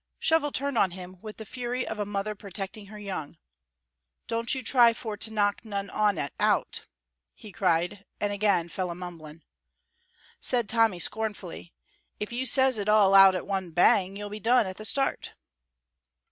Shovel turned on him with the fury of a mother protecting her young. "Don't you try for to knock none on it out," he cried, and again fell a mumbling. Said Tommy, scornfully: "If you says it all out at one bang you'll be done at the start."